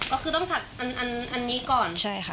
ก็คือต้องตัดอันนี้ก่อนใช่ค่ะ